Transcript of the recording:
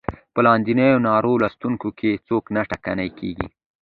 په لاندنیو نارو لوستلو کې څوک نه ټکنی کیږي.